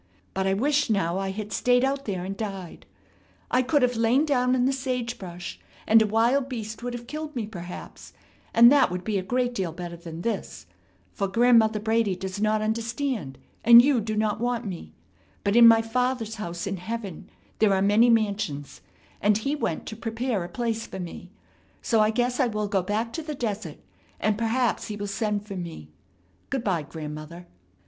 But I wish now I had stayed out there and died. I could have lain down in the sage brush, and a wild beast would have killed me perhaps, and that would be a great deal better than this; for Grandmother Brady does not understand, and you do not want me; but in my Father's house in heaven there are many mansions, and He went to prepare a place for me; so I guess I will go back to the desert, and perhaps He will send for me. Good by, grandmother."